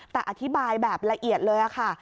แต่อธิบายแบบละเอียดเลยค่ะ